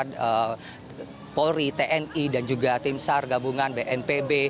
dari polri tni dan juga tim sar gabungan bnpb